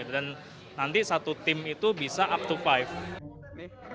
dan nanti satu tim itu bisa up to lima